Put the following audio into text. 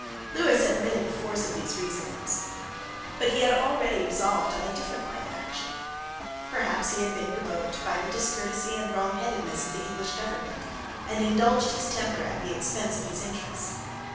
Lewis admitted the force of these reasonings: but he had already resolved on a different line of action. Perhaps he had been provoked by the discourtesy and wrongheadedness of the English government, and indulged his temper at the expense of his interest.